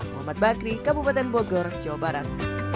muhammad bakri kabupaten bogor jawa barat